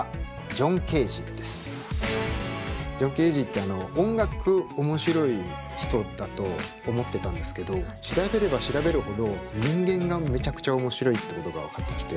ジョン・ケージってあの音楽面白い人だと思ってたんですけど調べれば調べるほど人間がめちゃくちゃ面白いってことが分かってきて。